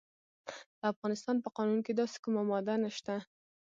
د افغانستان په قانون کې داسې کومه ماده نشته.